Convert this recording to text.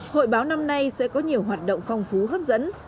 hội báo năm nay sẽ có nhiều hoạt động phong phú hấp dẫn